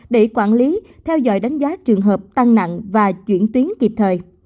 để quản lý theo dõi đánh giá trường hợp tăng nặng và chuyển tuyến kịp thời